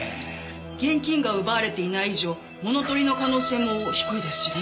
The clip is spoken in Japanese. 現金が奪われていない以上物取りの可能性も低いですしね。